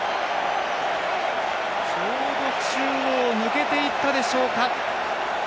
ちょうど中央抜けていったでしょうか。